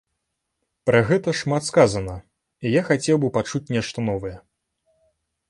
Пра гэта шмат сказана, і я хацеў бы пачуць нешта новае.